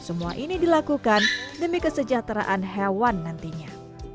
semua ini dilakukan demi kesejahteraan hewan nantinya